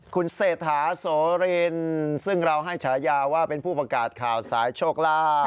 คุณเศรษฐาโสรินซึ่งเราให้ฉายาว่าเป็นผู้ประกาศข่าวสายโชคลาภ